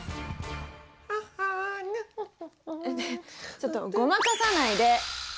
ちょっとごまかさないで！